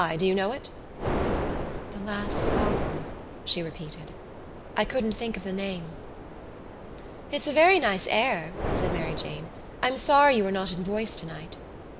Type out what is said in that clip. Do you know it?" "The Lass of Aughrim," she repeated. "I couldn't think of the name." "It's a very nice air," said Mary Jane. "I'm sorry you were not in voice tonight."